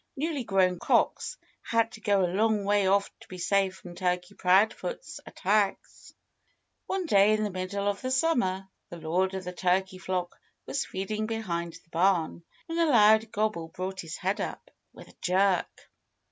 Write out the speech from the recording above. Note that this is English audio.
Newly grown cocks had to go a long way off to be safe from Turkey Proudfoot's attacks. One day in the middle of the summer the lord of the turkey flock was feeding behind the barn when a loud gobble brought his head up with a jerk.